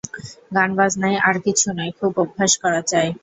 গানবাজনায় আর কিছু নয়, খুব অভ্যাস করা চাই।